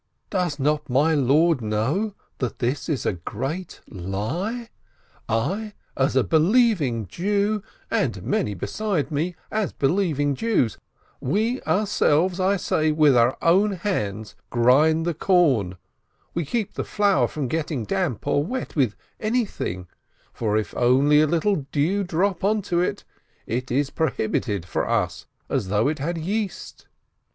Does not my lord know that this is a great lie ? I, as a believing Jew, and many besides me, as believing Jews — we ourselves, I say, with our own hands, grind the corn, we keep the flour from getting damp or wet with anything, for if only a little dew drop onto it, it is prohibited for us as though it had yeast.